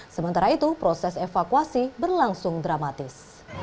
sementara itu proses evakuasi berlangsung dramatis